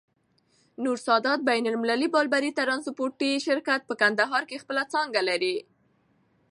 نور سادات بين المللی باربری ترانسپورټي شرکت، په کندهار کي خپله څانګه لری.